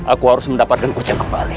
aku harus mendapatkan kucing kembali